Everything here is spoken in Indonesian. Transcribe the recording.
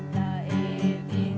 saya berharap pak